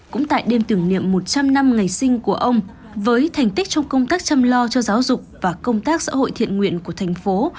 cũng tại đêm tưởng niệm một trăm linh năm ngày sinh của ông với thành tích trong công tác chăm lo cho giáo dục và công tác xã hội thiện nguyện của thành phố